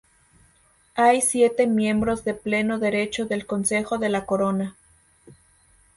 Hay siete miembros de pleno derecho del Consejo de la Corona.